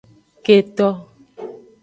Keto.